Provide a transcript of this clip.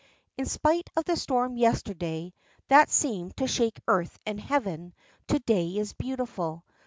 In spite of the storm yesterday, that seemed to shake earth and heaven, to day is beautiful.